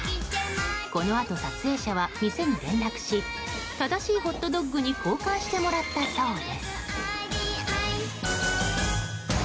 このあと、撮影者は店に連絡し正しいホットドッグに交換してもらったそうです。